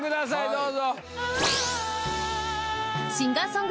どうぞ。